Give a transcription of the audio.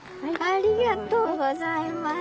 ありがとうございます。